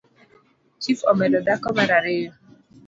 Chif omedo dhako mara ariyo.